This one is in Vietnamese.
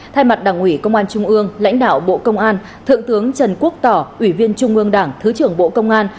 thay mặt đảng ủy công an trung ương lãnh đạo bộ công an thượng tướng trần quốc tỏ ủy viên trung ương đảng thứ trưởng bộ công an